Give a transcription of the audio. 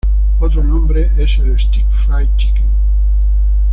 Otro nombre es el "steak fried chicken.